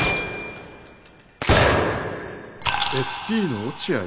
ＳＰの落合？